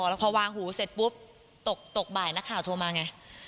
แล้วพอวางหูเสร็จปุ๊บตกบ่ายนักข่าวโทรมาไง